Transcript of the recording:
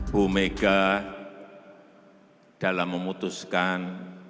bu mega dalam memutuskan